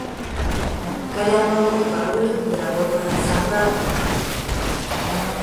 Каля паловы пароляў, верагодна, сапраўдныя.